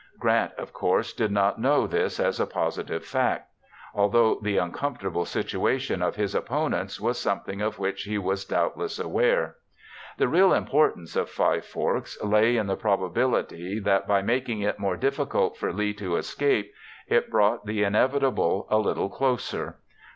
Grant, of course, did not know this as a positive fact, although the uncomfortable situation of his opponents was something of which he was doubtless aware. The real importance of Five Forks lay in the probability that, by making it more difficult for Lee to escape, it brought the inevitable a little closer. Lt.